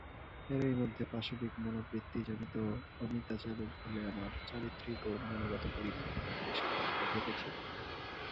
এরই মধ্যে পাশবিক মনোবৃত্তিজনিত অমিতাচারের ফলে আমার চারিত্রিক ও মনোগত পরিবর্তন বেশ খানিকটা ঘটেছিল।